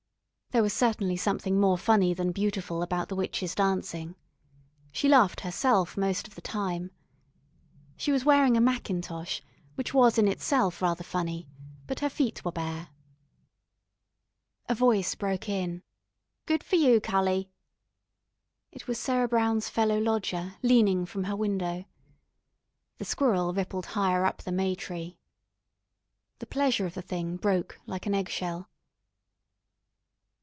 There was certainly something more funny than beautiful about the witch's dancing. She laughed herself most of the time. She was wearing a mackintosh, which was in itself rather funny, but her feet were bare. A voice broke in: "Good for you, cully." It was Sarah Brown's fellow lodger leaning from her window. The squirrel rippled higher up the may tree. The pleasure of the thing broke like an eggshell.